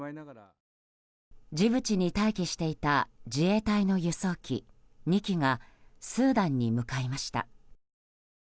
ジブチに待機していた自衛隊の輸送機２機がスーダンに向かいました。